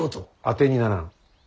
当てにならん。